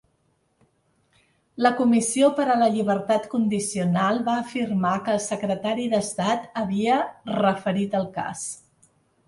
La comissió per a la llibertat condicional va afirmar que el secretari d'estat havia referit el cas.